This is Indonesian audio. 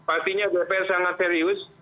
artinya dpr sangat serius